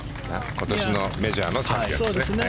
今年のメジャーのトップですね。